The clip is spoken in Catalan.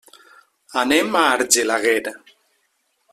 Anem a Argelaguer.